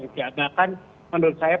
karena akan menurut saya